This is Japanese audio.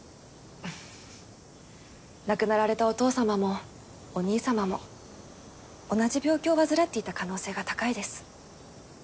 亡くなられたお父さまもお兄さまも同じ病気を患っていた可能性が高いです。